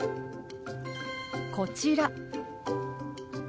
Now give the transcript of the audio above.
こちら。